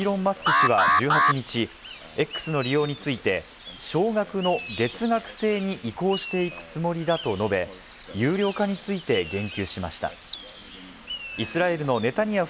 「Ｘ」のオーナー、イーロン・マスク氏は１８日、「Ｘ」の利用について、少額の月額制に移行していくつもりだと述べ、有料化について言及しました。